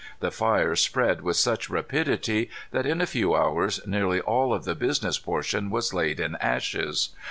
The fire spread with such rapidity that, in a few hours, nearly all of the business portion was laid in ashes.